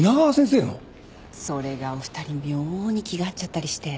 それがお二人妙に気が合っちゃったりして。